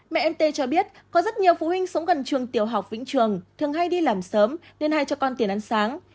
mẹ anh tê cho biết có rất nhiều phụ huynh sống gần trường tiểu học vĩnh trường thường hay đi làm sớm nên hay cho con tiền ăn sáng